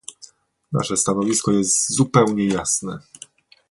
Nasze stanowisko jest zupełnie jasne